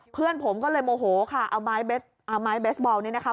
เพื่อนผมก็เลยโมโหค่ะเอาไม้เบสบอลนี้นะคะ